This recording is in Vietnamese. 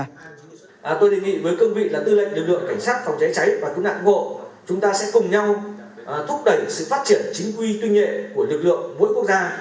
tôi đề nghị với cơ vị là tư lệnh lực lượng cảnh sát phòng cháy cháy và cứu nạn cứu hộ chúng ta sẽ cùng nhau thúc đẩy sự phát triển chính quy tuyên nhệ của lực lượng mỗi quốc gia